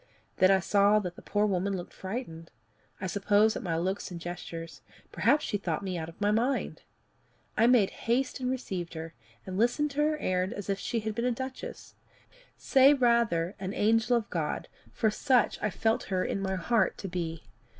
Then I saw that the poor woman looked frightened I suppose at my looks and gestures perhaps she thought me out of my mind. I made haste and received her, and listened to her errand as if she had been a duchess say rather an angel of God, for such I felt her in my heart to be.